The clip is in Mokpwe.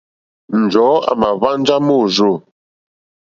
Njɔ̀ɔ́ àmà hwánjá môrzô.